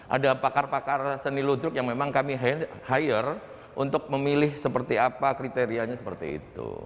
ada pakar pakar seni ludruk yang memang kami hire untuk memilih seperti apa kriterianya seperti itu